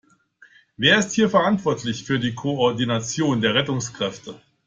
Wer ist hier verantwortlich für die Koordination der Rettungskräfte?